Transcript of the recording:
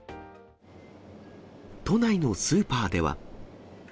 都内のスーパーでは。